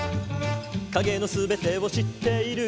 「影の全てを知っている」